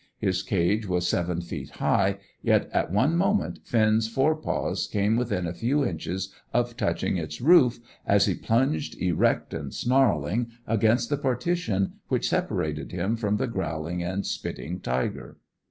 His cage was seven feet high, yet at one moment Finn's fore paws came within a few inches of touching its roof, as he plunged erect and snarling against the partition which separated him from the growling and spitting tiger.